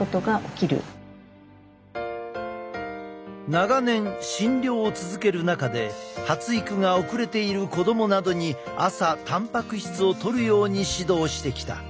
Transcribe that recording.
長年診療を続ける中で発育が遅れている子供などに朝たんぱく質をとるように指導してきた。